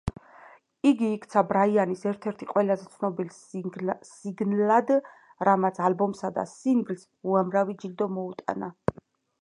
იგი იქცა ბრაიანის ერთ-ერთ ყველაზე ცნობილ სინგლად, რამაც ალბომსა და სინგლს უამრავი ჯილდო მოუტანა.